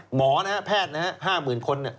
หมอแพทย์ห้าหมื่นคน